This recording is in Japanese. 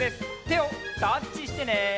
てをタッチしてね！